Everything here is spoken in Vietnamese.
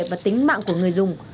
và tính mạng của người dùng